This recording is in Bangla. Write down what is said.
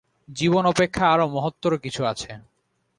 জীবন অপেক্ষা আরও মহত্তর কিছু আছে।